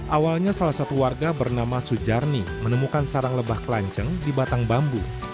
awalnya salah satu warga bernama sujarni menemukan sarang lebah kelanceng di batang bambu